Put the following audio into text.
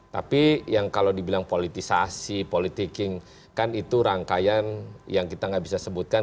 tapi yang kalau dibilang politisasi politiking kan itu rangkaian yang kita nggak bisa sebutkan